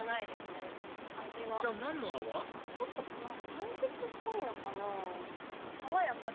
かんきつっぽいのかな爽やか。